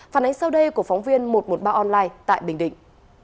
phản ánh sau đây của phóng viên một trăm một mươi ba online tại bình định